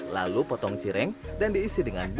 lalu potong cireng dan diisi dengan bumbu